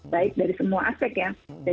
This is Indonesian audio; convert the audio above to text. baik dari semua aspek ya